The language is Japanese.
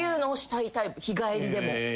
日帰りでも。